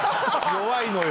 弱いのよ！